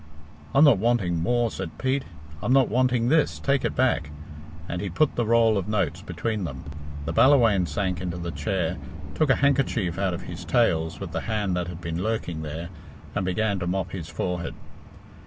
"I'm not wanting more," said Pete; "I'm not wanting this. Take it back," and he put down the roll of notes between them. The Ballawhaine sank into the chair, took a handkerchief out of his tails with the hand that had been lurking there, and began to mop his forehead.